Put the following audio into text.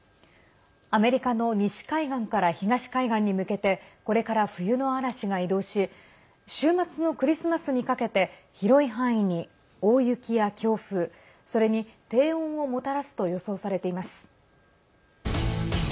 アメリカの西海岸から東海岸に向けてこれから冬の嵐が移動し週末のクリスマスにかけて広い範囲に大雪や強風それに低温をもたらすと予想されています。